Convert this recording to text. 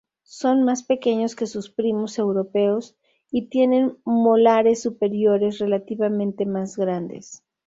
Son más pequeños que sus primos europeos y tienen molares superiores relativamente más grandes.